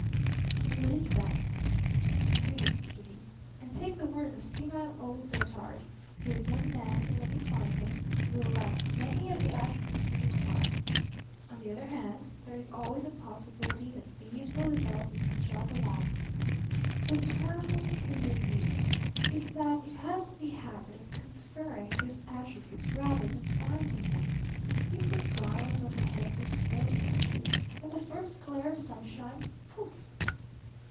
"And what is that?" "Youth, Kitty. And take the word of a senile old dotard, your young man, when you find him, will lack many of the attributes you require. On the other hand, there is always the possibility that these will develop as you jog along. The terrible pity of youth is that it has the habit of conferring these attributes rather than finding them. You put garlands on the heads of snow images, and the first glare of sunshine pouf!"